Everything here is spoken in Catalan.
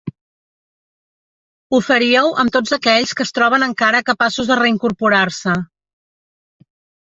Ho faríeu amb tots aquells que es troben encara capaços de reincorporar-se.